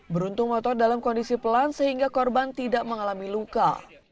beruntung motor dalam kondisi pelan sehingga korban tidak mengalami luka